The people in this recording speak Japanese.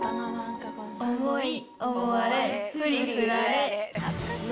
思い、思われ、振り、振られ。